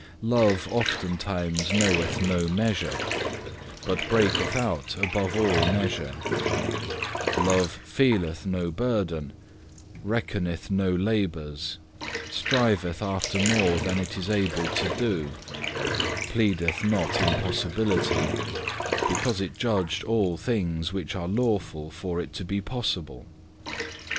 Love oftentimes knoweth no measure, but breaketh out above all measure; love feeleth no burden, reckoneth not labours, striveth after more than it is able to do, pleadeth not impossibility, because it judgeth all things which are lawful for it to be possible.